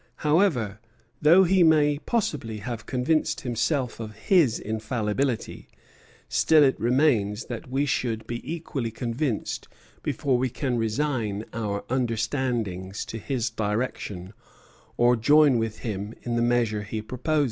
However, though he may possibly have convinced himself of his infallibility, still it remains that we should be equally convinced before we can resign our understandings to his direction, or join with him in the measure he proposes."